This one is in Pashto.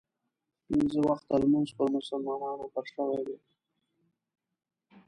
پنځه وخته لمونځ پر مسلمانانو فرض شوی دی.